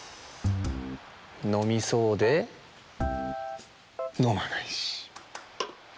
のみそうでのまないし。